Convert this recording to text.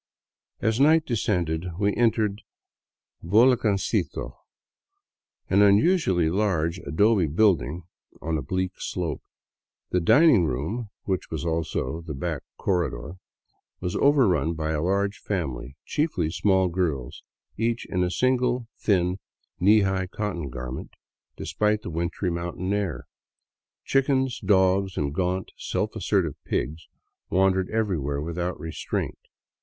As night descended, we entered " Volcancito," an unusually large adobe building on a bleak slope. The dining room, which was also the back corredor, was overrun by a large family, chiefly small girls, each in a single, thin, knee high cotton garment, despite the wintry mountain air. Chickens, dogs, and gaunt, self assertive pigs wandered every where without restraint.